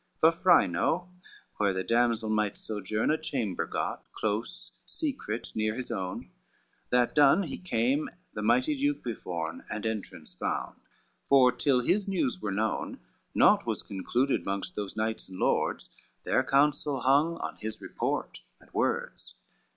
Vafrino where the damsel might sojourn A chamber got, close, secret, near his own; That done he came the mighty duke beforn, And entrance found, for till his news were known, Naught was concluded mongst those knights and lords, Their counsel hung on his report and words.